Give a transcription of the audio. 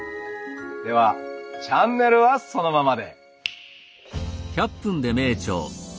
ではチャンネルはそのままで。